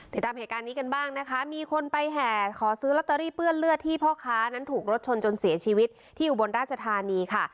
ติดตามเหตุการณ์นี้กันบ้างนะคะมีคนไปแห่ขอซื้อลอตเตอรี่เปื้อนเลือดที่พ่อค้านั้นถูกรถชนจนเสียชีวิตที่อุบลราชธานีค่ะ